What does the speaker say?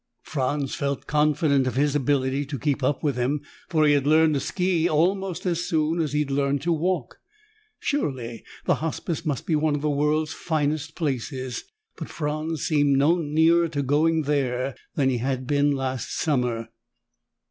Franz felt confident of his ability to keep up with them, for he had learned to ski almost as soon as he'd learned to walk. Surely the Hospice must be one of the world's finest places, but Franz seemed no nearer to going there than he had been last summer.